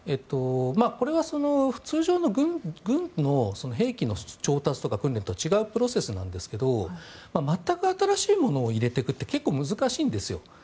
これは通常の軍の兵器の調達とか訓練とは違うプロセスなんですが全く新しいものを入れていくって結構難しいんですよ。